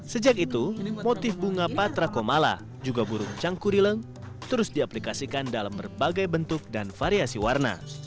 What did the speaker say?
sejak itu motif bunga patra komala juga burung cangkurileng terus diaplikasikan dalam berbagai bentuk dan variasi warna